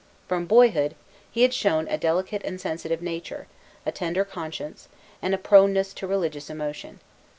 From boyhood, he had shown a delicate and sensitive nature, a tender conscience, and a proneness to religious emotion.